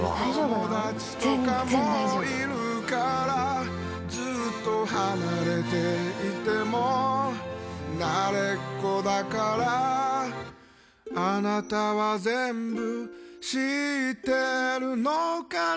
友達とかもいるからずっと離れていても慣れっこだからあなたは全部知ってるのかな